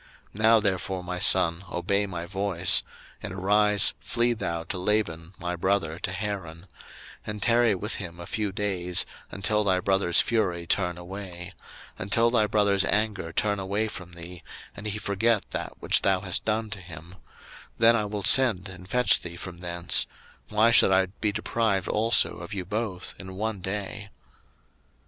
01:027:043 Now therefore, my son, obey my voice; arise, flee thou to Laban my brother to Haran; 01:027:044 And tarry with him a few days, until thy brother's fury turn away; 01:027:045 Until thy brother's anger turn away from thee, and he forget that which thou hast done to him: then I will send, and fetch thee from thence: why should I be deprived also of you both in one day?